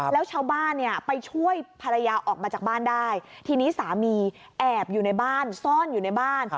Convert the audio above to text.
แล้วชาวบ้านเนี่ยไปช่วยภรรยาออกมาจากบ้านได้ทีนี้สามีแอบอยู่ในบ้านซ่อนอยู่ในบ้าน